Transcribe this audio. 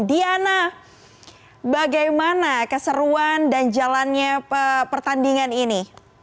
diana bagaimana keseruan dan jalannya pertandingan ini